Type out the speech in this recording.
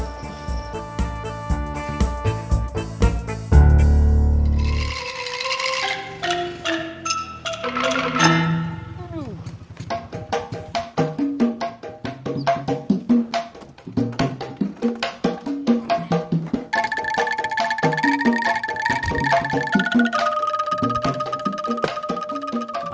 itu si emak